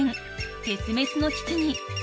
絶滅の危機に］